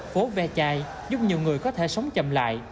phố ve chai giúp nhiều người có thể sống chậm lại